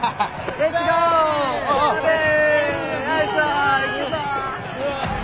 レッツゴー！